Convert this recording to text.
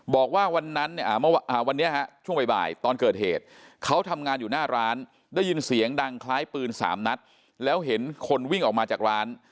บอกว่าวันนั้นเนี่ยวันนี้ช่วงบ่ายตอนเกิดเหตุเขาทำงานอยู่หน้าร้านได้ยินเสียงดังคล้ายปืน๓นัดแล้วเห็นคนวิ่งออกมาจากร้าน